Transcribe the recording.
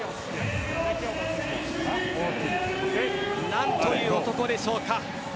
なんという男でしょうか。